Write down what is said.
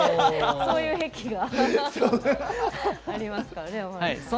そういう癖がありますからね、山根さん。